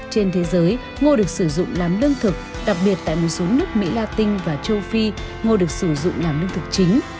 trên thế giới ngô được sử dụng làm lương thực đặc biệt tại một số nước mỹ la tinh và châu phi ngô được sử dụng làm lương thực chính